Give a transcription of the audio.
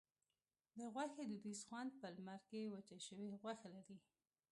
د غوښې دودیز خوند په لمر کې وچه شوې غوښه لري.